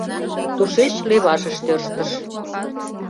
Тушеч левашыш тӧрштыш.